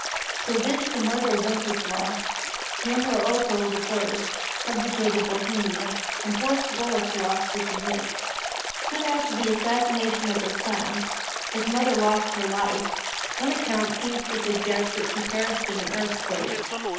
To avenge the murder of Wenceslaus, the Emperor Otho I. subjugated Bohemia and forced Boleslas to submit. Soon after the assassination of her son, his mother lost her life: one account seems to suggest that she perished in an earth quake.